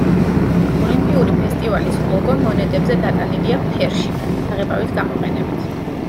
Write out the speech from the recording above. ოლიმპიური ფესტივალის ლოგო მონეტებზე დატანილია ფერში, საღებავების გამოყენებით.